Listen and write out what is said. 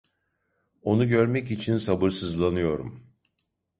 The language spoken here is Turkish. Onu görmek için sabırsızlanıyorum.